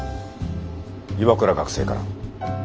岩倉学生から。